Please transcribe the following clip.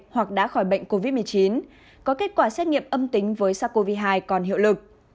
hoặc đã khỏi bệnh covid một mươi chín có kết quả xét nghiệm âm tính với sars cov hai còn hiệu lực